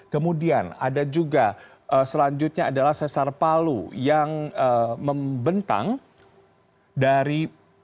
kemudian ada juga selanjutnya adalah sesar palu yang membentang dari